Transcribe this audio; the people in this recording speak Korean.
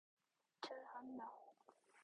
잘 한다!